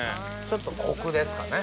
ちょっとコクですかね。